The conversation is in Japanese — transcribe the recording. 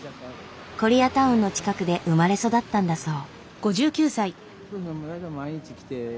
コリアタウンの近くで生まれ育ったんだそう。